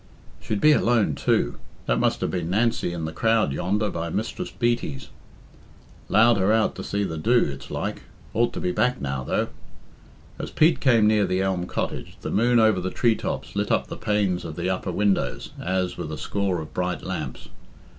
"She'd be alone, too. That must have been Nancy in the crowd yonder by Mistress Beatty's. 'Lowed her out to see the do, it's like. Ought to be back now, though." As Pete came near to Elm Cottage, the moon over the tree tops lit up the panes of the upper windows as with a score of bright lamps.